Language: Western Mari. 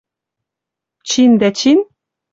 Чин дӓ чин?